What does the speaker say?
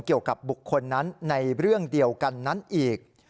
เกี่ยวกับบุคคลนั้นในเรื่องเดียวกันนั้นอีก